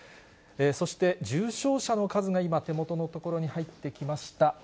そして重症者の数が今、手元の所に入ってきました。